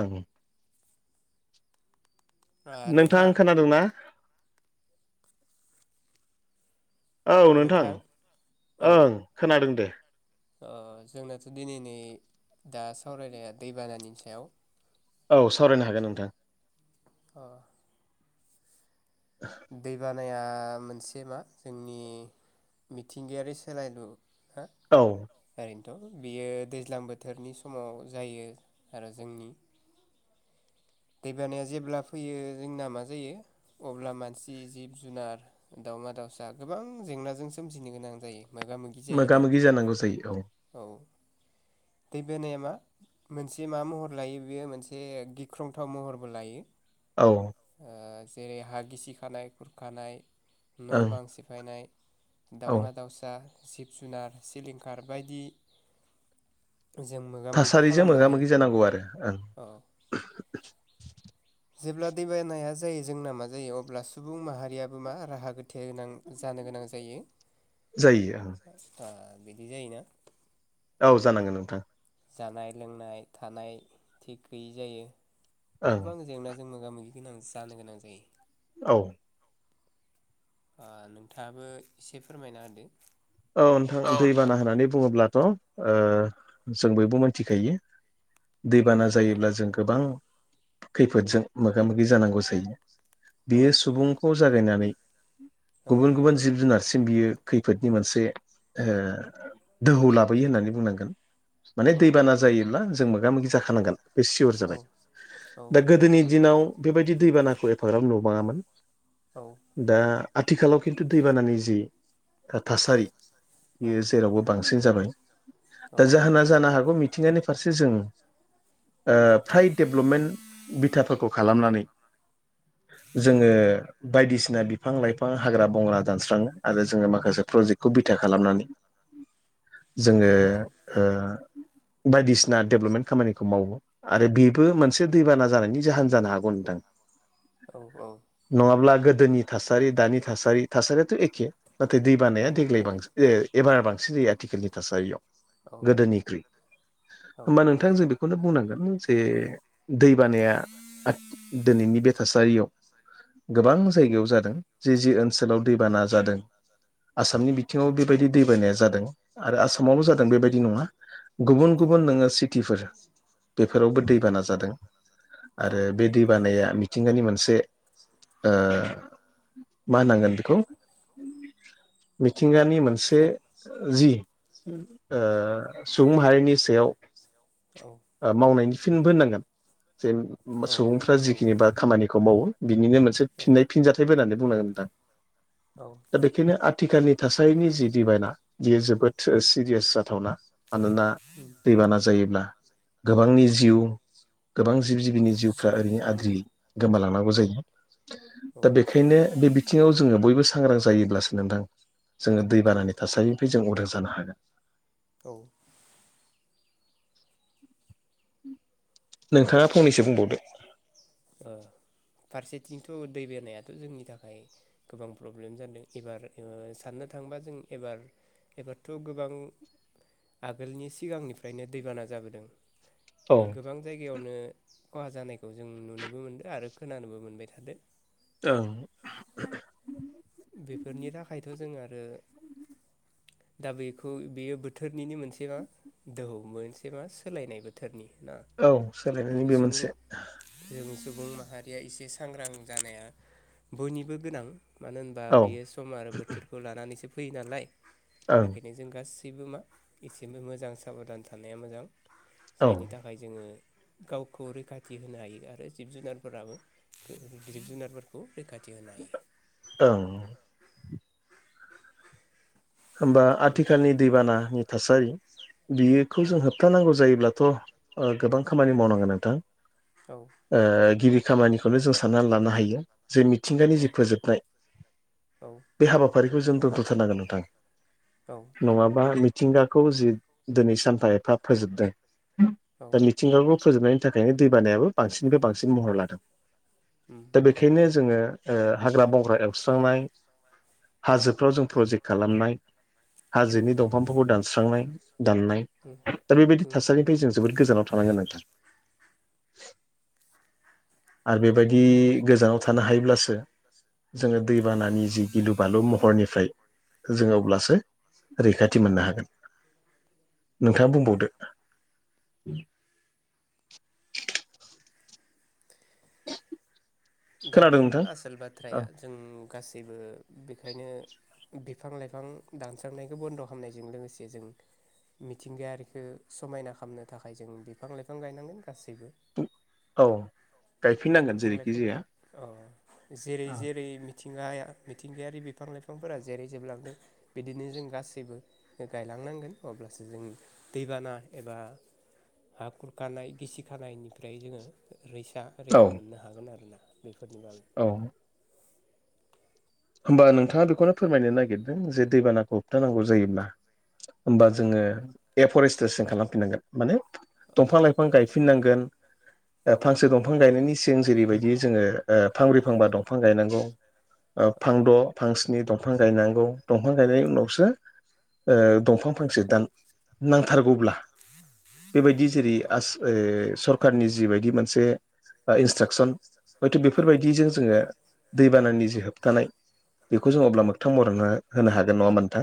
ओं नोंथां खोनादोंना? औ नोंथां औ ओं खोनादों दे। ओ जोंनाथ' दिनैनिै दा सावरायनाया दैबानानि सायाव। औ सावरायनो हागोन नोंथां अ [unintelligible] दैबानाया मोनसे मा जोंनि मिथिंगायारि सोलायलु हा औ ओरैनोथ' बियो दैज्लां बोथोरनि समाव जायो आरो जोंनि दैबानाया जेब्ला फैयो जोंना मा जायो अब्ला सि जिब जुनार दाावमा दाउसा गोबां जेंनाजों सोमिनो गोनां जायो मोगा मोगि मोगा जायोना मोगि जानांगौसै औ। औ दै बानाया मा? मोनसे मा महर लायो बेयो मोनसे गिख्रंथाव महरबो लायो। औ ओ जेरै हा गिसि खानाय खुरखानाय न' ओं बां सिफायनाय। औ दावमा दाउसा जिब जुनार सिलिंखार बायदि। जों मोगा मोगि थासारिजों मोगा खालामनो मोगि जानांगौ आरो ओं हायो औ [unintelligible] जेब्ला दैबानाया जायो जोंना मा जायो अब्ला सुबुं माहारियाबो मा राहा गोथे गोनां। जानो गोनां जायो। जायो ओं आ बिदि जायोना? औ जानांगोन नोंथां। जानाय लोंनाय थानाय थिग गैयै जायो। ओं गोबां जेंनाजों मोगा मोगि गोनां जानो गोनां जायो। औ नोंथाङाबो एसे फोरमायना होदो। औ नोंथां दैबाना होननानै बुङोब्लाथ' ओ जों बयबो मोनथिखायो दैबाना जायोब्ला जों गोबां खैफोदजों मोगा मोगि जानांगौ जायो औ बियो सुबुं खौ जागायनानै गुबुन गुबुन जिब जुनारसिम बियो खैफोदनि मोनसे से दोहौ लाबोयो होननानै बुंनांगोन माने औ दैबाना जायोब्ला जों मोगा मोगि जाखानांगोन बे सियर औ जाबाय औ दा गोदोनि दिनाव बेबायदि दैबानाखौ एफाग्राब नुुबाङामोन औ दा आथिखालाव खिन्थु दैबानानि जि थासारि औ औ बियो जेरावबो बांसिन जाबाय दा औ जाहोना जानो हागौ मिथिंगानि फारसे जों फ्राय डेभ्लपमेन्ट बिथाफोरखौ खालामनानै जोङो बायदिसिना बिफां लाइफां गोबां हाग्रा बंग्रा दानस्राङो आरो जोंङो माखासे प्रजेक्टखौ बिथा खालामनानै जोंङो बायदिसिना डेभेलपमेन्ट खामानिखौ मावो आरो बेबो मोनसे दैबाना जानायनि जाहोन जानो हागौ नोंथां औ औ नङाब्ला गोदोनि थासारि दानि थासारि थासारियाथ' एखे नाथाय दै औ बानाया औ देग्लाय बांस एबार बांसिन जायो आथिखालनि थासारियाव गोदोनिख्रुइ हबा नों नोंथां जों बेखौनो बुंनांगोन जे दै बानाया दिनैनि बे थासारियाव गोबां जायगायाव जादों जि जि ओनसोलाव दैबाना जादों आसामनि बिथिङावबो बेबायदि दै बानाया जादों आरो आसामावबो जादों बेबायदि नंङा गुबुन गुबुन नोङो सिटिफोर बेफोरावबो दैबाना जादों आरो बे दै बानाया मिथिंगानि मोनसे मा होनांगोन बेखौ मिथिंगानि मोनसे औ जि सुबुंहारिनि सायाव सोर औ औ मावनायनि फिनबो होननांगोन जे सुबुंफ्रा जिखिनि बा खामानिखौ मावो बिनिनो मोनसे फिननाय फिनजाथायाइबो होननानै बुंनांगोन होनदां औ खनो टिखालानि थासारिनि जि दिबायायना बियो जोबोद सिरियास जाथावना मानोना दैबाना जायोब्ला गोबांनि जिउ गोबां जिब- जिबिनि जिउफ्रा सुबुं ओरैनो आद्रियै गोमालांनांगौ जायो। औ दा बेखायनो बे बिथिङाव जोङो बयबो सांग्रां जायोब्लासो नोंथां। जोङो दै बानानि थासारिनिफ्राय जों उदां जानो हागोन। औ। नोंथाङा फंनैसो बुंबावदो। ओ। फारसेथिंथ' दै बानायाथ' जोंनि थाखाय। गोबां प्रब्लेम जादों एबार ओ साननो थांबा जों एबार। एबारथ' गोबां आगोलनि सिगांनिफ्रायनो दैबाना जाबोदों। औ गोबां जायगायावनो खहा जानायखौ जों नुनोबो मोनदों आरो खोनानोबो मोनबाय थादो औ बेफोरनि थाखायथ जों आरो दा बेखौ बेयो बोथोरनिनो मोनसे मा दोहौ मोनसे मा सोलायनाय बोथोर बोथोरनि ना औ सोलायनायनि बेखौ बे सुबुं मोनसे [unintelligible] जों सुबुं माहारिया एसे सांग्रां जानाया बयनिबो गोनां मानो होनबा औ बेयो सम आरो बोथोरखौ लानानैसो फैयो नालाय ओं बेखायनो जों गासैबो मा एसेबो मोजां साबधान थानाया मोजां औ जायनि थाखाय नाय जोंङो गावखौ रैखाथि होनो हायो आरो जिब-जुनारफोराबो जिब-जुनार। खौ रैखाथि होनो हायो। औ। होमबा नोंथां आथिखालनि दैबानानि थासारि बिखौ औ जों हा। खिथानांगौ जायोब्लाथ' ओ गोबां खामानि मावनांगोन नोंथां। औ। ओ गिबि खामानिखौनो जों साननानै लानो हायो। जे मिथिंगानि जि फोजोबनाय औ बे हाबाफारिखौ जों दोनथ'थारनांगोन नोंथां। औ। नङाबा मिथिंगाखौ जि दिनै सानफा एफा फोजोबदों औ दा मि। थिंगाखौ फोजोबनायनि थाखायनो दै बानायाबो बांसिननिफ्राय बांसिन महर लादों उम दा बे। बेखायनो जोङो ओ हाग्रा-बंग्रा एवस्रांनाय हाजो। फ्राव जों प्रजेक्ट खालामनाय उम हाजोनि दंफांफोरखौ दानस्रांनाय, दाननाय। उम दा बेबायदि उम थासारिनिफ्राय जों जोबोद गोजानाव थानांगोन नोंथां। आरो बेबायदि गोजानाव। थानो हायोब्लासो जोङो उम दैबानानि जि गिलु-बालु महरनिफ्राय जोङो अब्ला। सो रैखाथि मोननो हागोन औ नोंथाङा बुंबावदो। दा खोनादों बेनो नोंथां आसोल बाथ्राया जों गासैबो बेखायनो। बिफां-लाइफां दानस्रांनायखौ बन्द' खामनायजों लोगोसे जों। मिथिंगायारिखो समायना खालामनो थाखाय जों बिफां-लाइफां गायनांगोन गासैबो। औ गायफिननांगोन बिफां जेरैखि लाइफां जाया। अ जेरै- जेरै। मिथिंगाया-मिथिंगायारि बिफां-लाइफांफोरा जेरै जोबलांदों बिदिनो जों गासैबो। गायलांनांगोन अब्लासो जों दैबाना एबा। ह खुरखानाय गिसि खानायनिफ्राय जोङो रैसा। औ रैखा मोननो हागोन आरो ना बेफोरनि बागै। औ होमबा नोंथाङा बेखौनो फोरमायनो नागिरदों जे दैबानाखौ होबथानांगौ जायोब्ला। होमबा औ जोङो एफरेस्ट्रेसन खालामफिननांगोन माने। दंफां-लाइफां गायफिननांगोन। दा औ फांसे दंफां गायनायनि सिगां जेरैबायदि जोङो ओ फांब्रै, फांबा दंफां गायनांगौ। ओ औ फांद' फांस्नि दंफां गायनांगौ दंफां गायनायनि उनावसो ओ। दंफां फांसे दान नांथारगौब्ला बेबायदि जेरै आस। ओय सरखारनि जिबायदि मोनसे। ओ इन्सट्राकसन हयथ' बेफोरबायदिजों जोङो दैबानानि जिहोब। होबथानाय बेखौ जों अब्ला औ मोगथां महर होनो होनो हागोन नङा होनबा नोंथां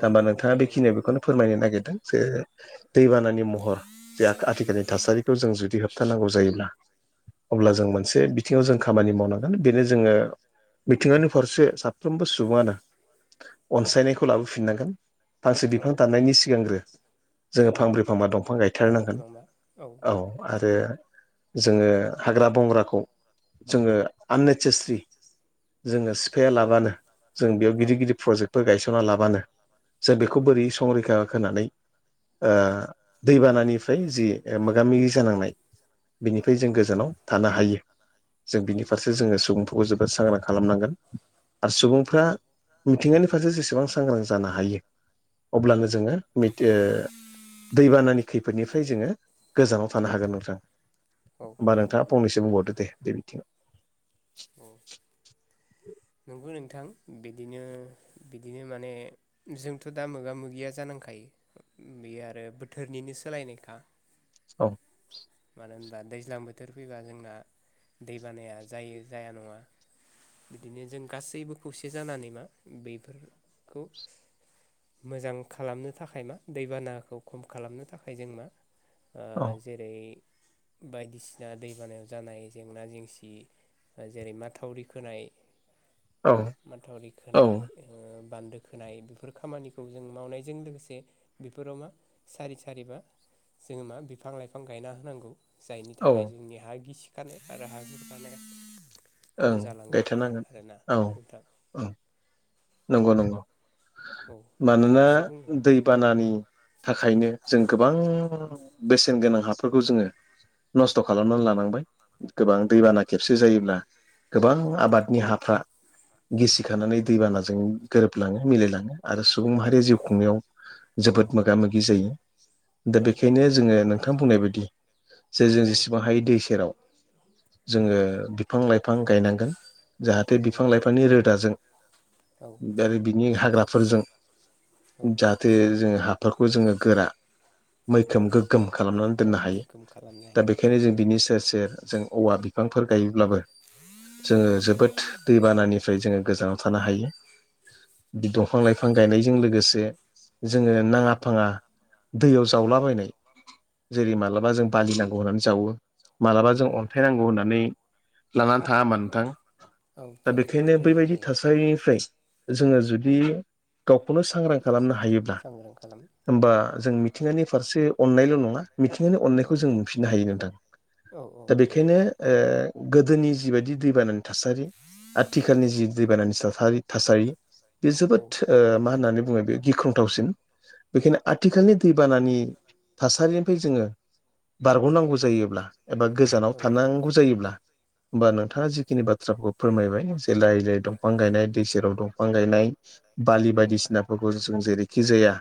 औ होमबा औ नोंथाङा नोंथां बेखिनिया नंगौ बेखौनो फोरमायनो नागिरदों जे दैबानानि महर जे आ आथिखालनि थासारि जों जुदि होबथानांगौ जायोब्ला औ अब्ला जों मोनसे बि बिथिङाव जों खामानि मावनांगोन बेनो जोङो बिथिंगानि फारसे साफ्रोमबो सुबुङानो अनसायनायखौ लाबोफिननांगोन फांसे औ बिफां दाननायनि सिगांग्रो जोङो फांब्रै फांबा दं फां फांब्रै गायथारनांगोन फांबा औ आरो जोङो हाग्रा- बंग्राखौ। जोङो आननेसासस्रि। जोङो सिफाया लाबानो जों बेयाव औ गिदिर-गिदिर प्रजेक्टफोर गायसनना लाबानो। जों औ बेखौ बोरै संरैखा होनानै ओ दैबानानिफ्राय जि। मोगा- मोगि जानांनाय। औ बिनिफ्राय जों गोजानाव थानो हायो जों बिनि उम फारसे जोङो सुबुंफोरखौ जोबोद सांग्रां। खालामनांगोन आरो उम सुबुंफ्रा मिथिंगानि फारसे जेसेबां सांग्रां जानो हायो। अब्लानो जोङो मितओ दैबानानि खैफोदनिफ्राय जोङो गोजानाव थानो औ हागोन नोंथां औ होमबा नोंथाङा फंनैसो बुंबावदो दे बे बिथिङाव उम [unintelligible] नोंगौ नोंथां बिदिनो बिदिनो माने जोंथ' दा मोगा मोगिया जानांखायो बेयो आरो बोथोरनिनो सोलायनायखा औ मानो होनबा दैज्लां बोथोर फैबा जोंना दै बानाया जायो जाया नङा बिदिनो जों गासैबो खौसे जानानै मा बेफोरखौ मोजां खालामनो थाखाय मा दैबानाखौ खम खालामनो थाखाय जों मा ओ औ जेरै बायदिसिना दैबानायाव जानाय जेंना जेंसि जेरै माथावरि खोनाय औ होम माथावरि औ खोनाय ओ बान्दो खोनाय बेफोर खामानिखौ जों मावनायजों लोगोसे बेफोराव मा सारि सारिबा जोङो मा बिफां लाइफां गायना होनांगौ औ जायनि औ थाखाय जोंनि हा गिसिखानाय आरो हा गुरखानाया कम ओं जालांगोन गायथारनांगोन आरोना औ नोंथां औ नंगौ नंगौ औ नोंथाङा मानोना एसे बुंनो दैबानानि थाखायनो जों गोबां बेसेन गोनां हाफोरखौ जोङो नस्थ' खालामनानै लानांबाय गोबां दैबाना खेबसे जायोब्ला गोबां आबादनि हाफ्रा औ गिसिखानानै दैबानाजों गोरोबलाङो मिलायलाङो आरो सुबुं माहारिया जिउ खुंनायाव जोबोद मोगा औ मोगि जायो दा बेखायनो जोङो नोंथां बुंनाय बायदि जे जों औ जेसेबां हायो दै सेराव जोङो बिफां लाइफां गायनांगोन जाहाथे औ बिफां लाइफांनि रोदाजों औ दा आरो बिनि हाग्राफोरजों औ जाहाथे जोङो हाफोरखौ जोङो गोरा मैखोम औ गोगोम खालामनानै दोननो हायो गोग्गोम खालामनो दा हायो बेखायनो औ जों बिनि सेर सेर जों औवा बिफांफोर गायोब्लाबो औ जोङो जोबोद दैबानानिफ्राय जोङो गोजानाव थानो हायो दंफां लाइफां गायनायजों लोगोसे जोङो नाङा फाङा दैयाव जावलाबायनाय औ जेरै मालाबा जों बालि नांगौ होननानै जावो मालाबा जों औ अन्थाइ नांगौ होननानै लानानै थाङा ओमबा नोंथां औ दा फैयो बेखायनो बैबायदि फैयो थासारिनिफ्राय जोङो जुदि गावखौनो सांग्रां खालामनो हायोब्ला सांग्रां खालाम औ होमबा जों मिथिंगानि फारसे अननायल' नङा मिथिंगानि अननायखौ औ जों मोनफिननो हायो नोंथां औ औ दा मोनो बेखायनो ओ गोदोनि जिबायदि दैबानानि थासारि आथिखालनि जि दैबानानि थासारि थासारि बे औ जोबोद ओ मा होननानै बुङो बे गिख्रं गोथावसिन बेखायनो आथिखालनि दैबानानि थासारिनिफ्राय जोङो बारग'नांगौ जायोब्ला एबा गोजानाव औ थानांगौ जायोब्ला होमबा नोंथाङा जिखिनि बाथ्राफोरखौ फोरमायबाय जलाइलाय दंफां गायनाय दै सेराव दंफां गायनाय बालि औ बायदिसिनाफोरखौ जों जेरैखि जाया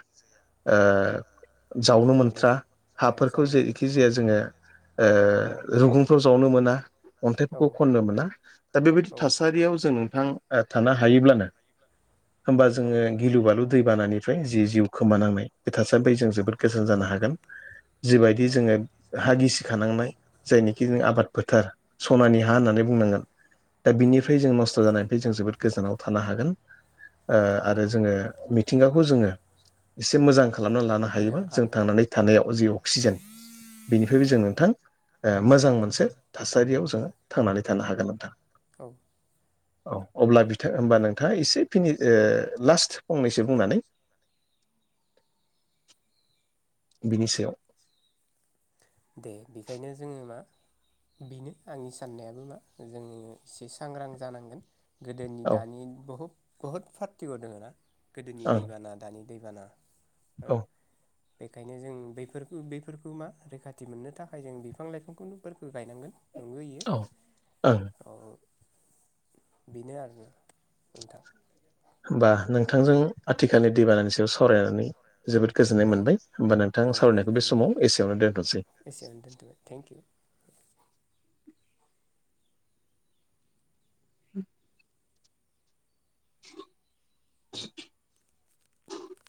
ओ जावनो माथावरि मोनथ्रा होनो ओ हाफोरखौ जावनो मोनो जेरैखि जाया जोङो औ रुगुं फोरखौ जावनो मोना औ अन्थाइफोरखौ खननो मोना दा बेबायदि औ थासारियाव जों नोंथां थानो हायोब्लानो होमबा जोङो गिलु बालु दैबानानिफ्राय जि जिउ खोमानांनाय बे थासारिफ्राय जों जोबोद गोजोन जानो हागोन जिबायदि जोङो हा गिसिखानांनाय जायनिख आबाद फोथार सनानि हा होननानै बुंनांगोन दा औ बिनिफ्राय जों नस्थ' जानायनिफ्राय जों जोबोद गोजानाव थानो हागोन ओ औ आरो जोङो मिथिंगाखौ जोङो एसे मोजां खालामना लानो हायोबा मोजां जों खालामनो थांनानै थानायाव जि औ अक्सिजेन बिनिफ्रायबो जों औ नोंथां मोजां मोनसे थासारियाव जोङो थांनानै थानो हागोन नोंथां। औ औ अब्ला बिथा होमबा नोंथाङा एसे फिनि ओ लास्ट फंनैसो बुंनानै बिनि सायाव। दे बेखायनो जोङो मा बेनो आंनि साननायाबो मा जोङो एसे सांग्रां जानांगोन। गोदोनि औ दानि बहु बहुत पार्टिग दङ ना गोदोनि ओं दैबाना दानि दैबाना औ बेखायनो जों बैफोरखौ बैफोरखौ मा रैखा थि मोननो थाखाय जों बिफां लाइफांखौनो फोरखो गायनांगोन। नंबोयो औ ओं अ बेनो आरोना नोंथां। होमबा नोंथांजों आथिखालनि दैबानानि सयाव सावरायनानै जोबोद गोजोननाय औ मोनबाय होमबा नों थां सावरायनायखौ बे समाव एसेयावनो दोनथ'नोसै। एसेनो दोनथबाय थेंक इउ। [inaudible] [unintelligible]